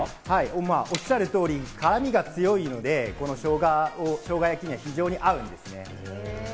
おっしゃる通り、辛味が強いので、このしょうがが、しょうが焼きに非常に合うんですね。